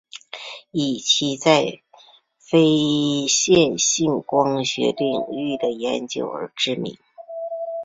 以其在非线性光学领域的研究而知名。